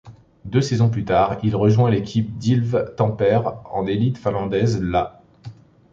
Deux saisons plus tard, il rejoint l'équipe d'Ilves Tampere en élite finlandaise la '.